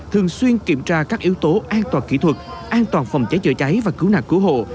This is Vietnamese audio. thường xuyên kiểm tra các yếu tố an toàn kỹ thuật an toàn phòng cháy chữa cháy và cứu nạn cứu hộ